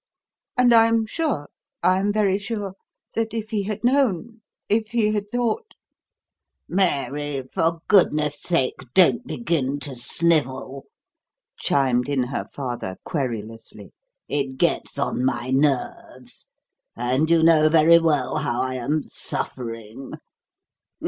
And I am sure I am very sure that if he had known if he had thought " "Mary, for goodness' sake, don't begin to snivel!" chimed in her father querulously. "It gets on my nerves. And you know very well how I am suffering!